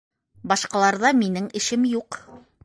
Башҡаларҙа минең эшем юҡ.